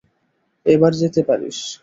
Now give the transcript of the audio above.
এবার যেতে পারিস।